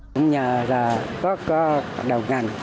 không nhờ là có đầu ngành